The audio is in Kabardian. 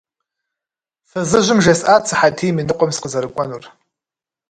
Фызыжьым жесӏат сыхьэтийм и ныкъуэм сыкъызэрыкӏуэнур.